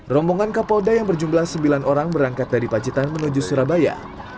rombongan kapolda yang berjumlah sembilan orang berangkat dari pacitan menuju surabaya